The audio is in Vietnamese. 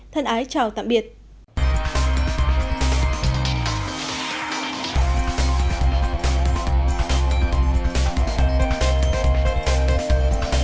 xin chào và hẹn gặp lại